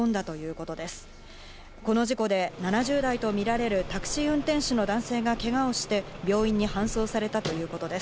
この事故で７０代とみられるタクシー運転手の男性がけがをして病院に搬送されたということです。